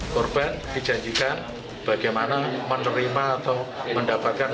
korban dijanjikan bagaimana menerima atau mendapatkan